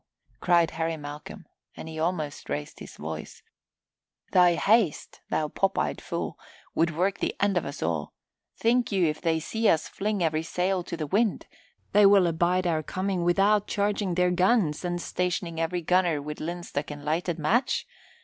cried Harry Malcolm and he almost raised his voice. "Thy haste, thou pop eyed fool, would work the end of us all. Think you, if they see us fling every sail to the wind, they will abide our coming without charging their guns and stationing every gunner with linstock and lighted match?